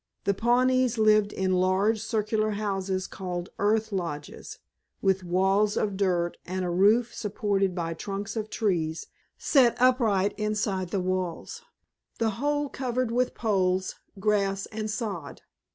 The Pawnees lived in large circular houses called "earth lodges," with walls of dirt and a roof supported by trunks of trees set upright inside of the walls, the whole covered with poles, grass and sod.